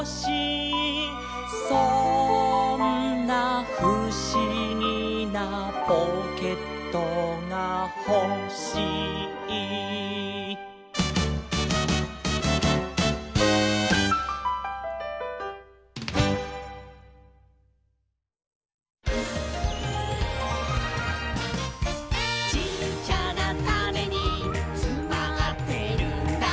「そんなふしぎなポケットがほしい」「ちっちゃなタネにつまってるんだ」